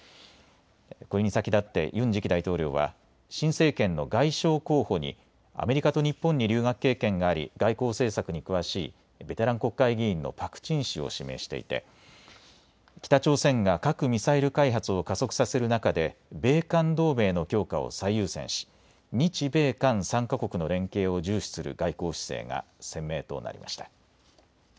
これに先立ってユン次期大統領は新政権の外相候補にアメリカと日本に留学経験があり外交政策に詳しいベテラン国会議員のパク・チン氏を指名していて北朝鮮が核・ミサイル開発を加速させる中で米韓同盟の強化を最優先し日米韓３か国の連携を重視する外交姿勢が鮮明となりました。